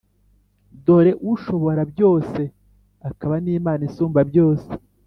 Dore ushoborabyose, akaba n’Imana Isumbabyose.